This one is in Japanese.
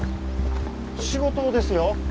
仕事ですよ。